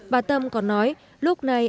bà tâm còn nói lúc này